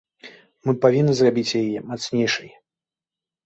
Мы павінны зрабіць яе мацнейшай.